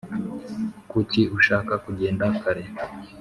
kuki ushaka kugenda kare